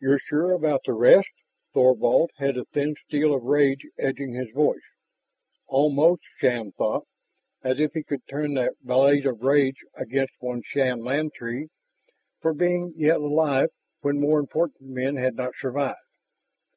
"You're sure about the rest?" Thorvald had a thin steel of rage edging his voice. Almost, Shann thought, as if he could turn that blade of rage against one Shann Lantee for being yet alive when more important men had not survived.